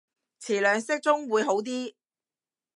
詞量適中會好啲